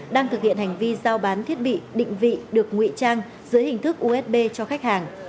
đang thực hiện hành vi giao bán thiết bị định vị được ngụy trang dưới hình thức usb cho khách hàng